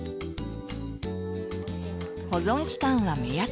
保存期間は目安。